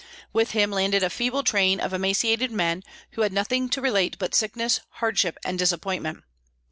With him landed a feeble train of emaciated men, who had nothing to relate but sickness, hardship, and disappointment.